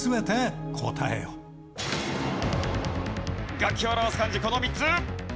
楽器を表す漢字この３つ！